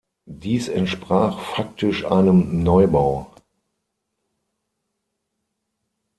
Dies entsprach faktisch einem Neubau.